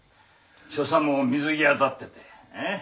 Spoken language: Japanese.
所作も水際立っててえ！